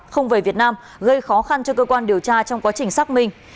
không về việt nam gây khó khăn cho cơ quan điều tra trong quá trình xác minh